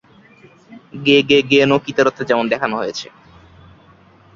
গেগেগে no কিতারোতে যেমন দেখানো হয়েছে।